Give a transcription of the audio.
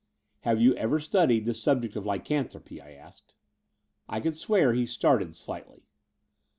"Have you ever studied the subject of lycan thropy?" I asked. I could swear he started slightly.